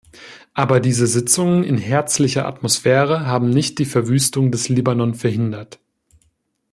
Aber diese Sitzungen in herzlicher Atmosphäre haben nicht die Verwüstung des Libanon verhindert.